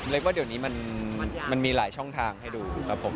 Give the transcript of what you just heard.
เรียกว่าเดี๋ยวนี้มันมีหลายช่องทางให้ดูครับผม